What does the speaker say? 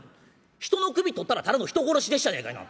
人の首取ったらただの人殺しでっしゃないかいな。